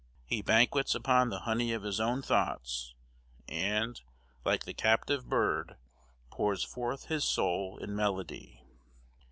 He banquets upon the honey of his own thoughts, and, like the captive bird, pours forth his soul in melody.